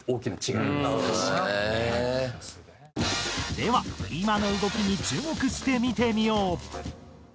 では今の動きに注目して見てみよう。